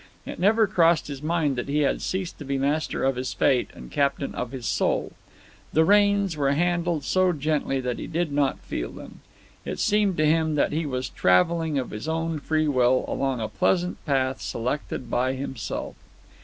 It never crossed his mind that he had ceased to be master of his fate and captain of his soul. The reins were handled so gently that he did not feel them. It seemed to him that he was travelling of his own free will along a pleasant path selected by himself.